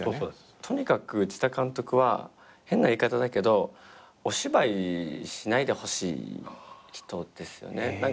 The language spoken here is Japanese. とにかく内田監督は変な言い方だけどお芝居しないでほしい人ですよね。